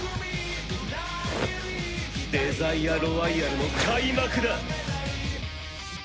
デザイアロワイヤルの開幕だ！